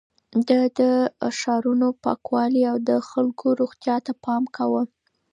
ده د ښارونو پاکوالي او د خلکو روغتيا ته پام کاوه.